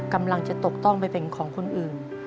กำลังจะตกต้องไปเป็นของคนอื่น